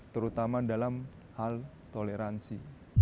terutama dalam hal toleransi